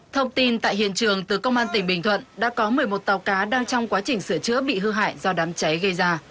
thông tin tại hiện trường từ công an tỉnh bình thuận đã có một mươi một tàu cá đang trong quá trình sửa chữa bị hư hại do đám cháy gây ra